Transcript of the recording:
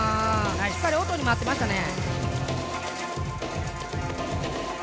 しっかり音にも合ってましたね。